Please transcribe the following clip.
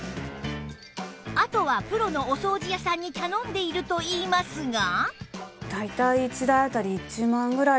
あとはプロのお掃除屋さんに頼んでいるといいますが